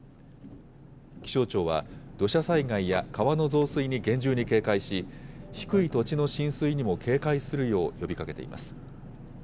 気象庁は土砂災害や川の増水に厳重に警戒し、低い土地の浸水にも警戒するよう呼びかけています。